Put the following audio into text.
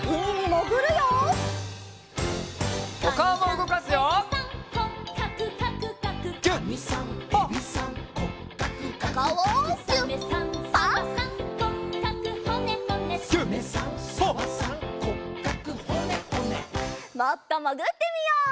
もっともぐってみよう。